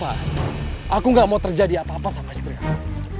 aku gak mau terjadi apa apa sama istri aku